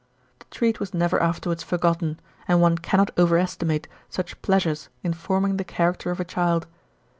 The treat was never afterwards forgotten, and one cannot over estimate such pleasures in form ing the character of a child.